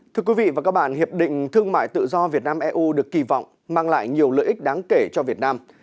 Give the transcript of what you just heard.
thưa quý vị và các bạn hiệp định thương mại tự do việt nam eu được kỳ vọng mang lại nhiều lợi ích đáng kể cho việt nam